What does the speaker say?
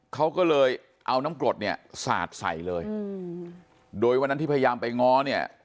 เขาก็เลยเอาน้ำกรดเนี่ยสาดใส่เลยอืมโดยวันนั้นที่พยายามไปง้อเนี่ย